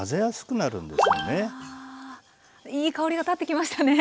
いい香りが立ってきましたね。